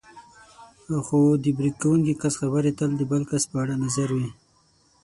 خو د برید کوونکي کس خبرې تل د بل کس په اړه نظر وي.